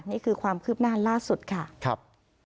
นี่คือความคืบหน้าล่าสุดค่ะครับ